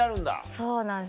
そうなんです